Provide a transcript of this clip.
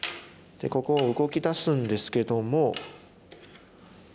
でここを動きだすんですけども。